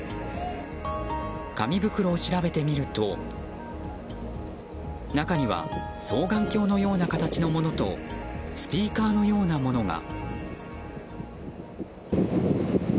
紙袋を調べてみると中には双眼鏡のような形のものとスピーカーのようなものが。